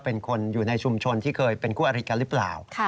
เป็นคนอยู่ในชุมชนที่เคยเป็นคู่อริกันหรือเปล่า